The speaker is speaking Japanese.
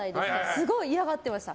すごい嫌がってました。